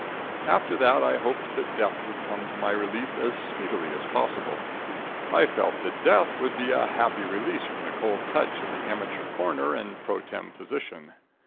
After that I hoped that death would come to my relief as speedily as possible. I felt that death would be a happy release from the cold touch of the amateur coroner and pro tem physician.